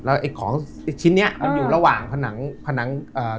แล้วไอ้ของไอ้ชิ้นเนี้ยอ่ามันอยู่ระหว่างผนังผนังอ่า